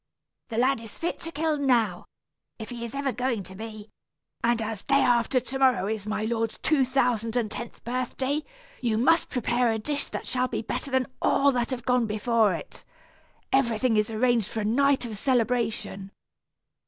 The lad is fit to kill now, if he is ever going to be; and as day after to morrow is my lord's two thousand and tenth birthday, you must prepare a dish that shall be better than all that have gone before it. Everything is arranged for a night of celebration.